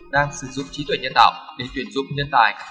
đang sử dụng trí tuệ nhân tạo để tuyển dụng nhân tài